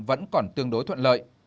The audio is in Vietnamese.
vẫn còn tương đối thuận lợi